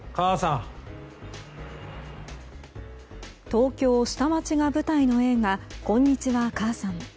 東京下町が舞台の映画「こんにちは、母さん」。